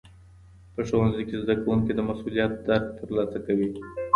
په ښوونځي کي زدهکوونکي د مسوولیت درک ترلاسه کوي.